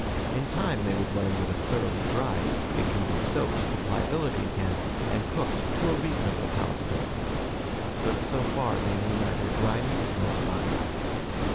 In time they would learn that if thoroughly dried it can he soaked to pliability again and cooked to a reasonable palatability. But so far they knew neither dryness nor fire.